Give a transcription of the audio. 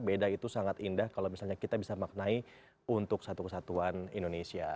beda itu sangat indah kalau misalnya kita bisa maknai untuk satu kesatuan indonesia